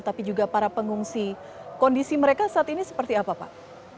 tapi juga para pengungsi kondisi mereka saat ini seperti apa pak